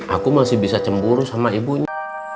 aku masih bisa cemburu sama ibunya